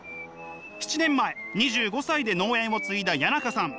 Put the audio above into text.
７年前２５歳で農園を継いだ谷中さん。